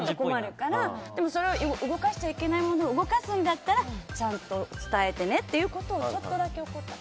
動かしちゃいけないものを動かすんだったらちゃんと伝えてねということをちょっとだけ怒った。